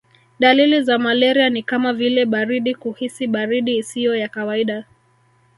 Dalili za malaria ni kama vile baridi kuhisi baridi isiyo ya kawaida